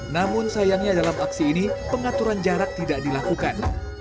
namun sayangnya dalam aksi ini pengaturan jarak tidak dilakukan